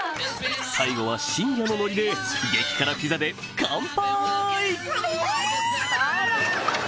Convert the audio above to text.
最後は深夜のノリで激辛ピザでカンパイ！